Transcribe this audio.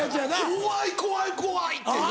怖い怖い怖い！っていう。